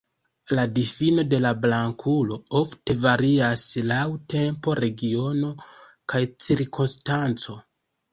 La difino de "blankulo" ofte varias laŭ tempo, regiono, kaj cirkonstanco.